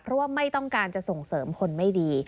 เพราะว่าไม่ต้องการจะส่งเสริมคนไม่ดี